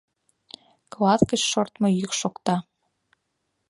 Клат гыч шортмо йӱк шокта.